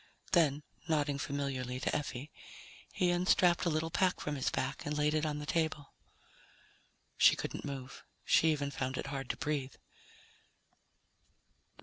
Then, nodding familiarly to Effie, he unstrapped a little pack from his back and laid it on the table. She couldn't move. She even found it hard to breathe.